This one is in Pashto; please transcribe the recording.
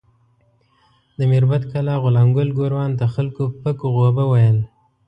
د میربت کلا غلام ګل ګوروان ته خلکو پک غوبه ویل.